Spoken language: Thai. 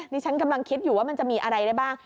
นี่ฉันกำลังคิดอยู่ว่ามันจะมีอะไรได้บ้าง